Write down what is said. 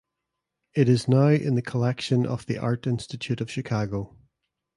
It is now in the collection of the Art Institute of Chicago.